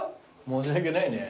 申し訳ないね。